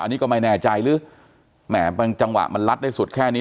อันนี้ก็ไม่แน่ใจหรือแหมบางจังหวะมันลัดได้สุดแค่นี้